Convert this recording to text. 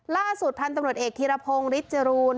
ล่าสุดพันธุ์ตำรวจเอกธีรพงศ์ฤทธรูน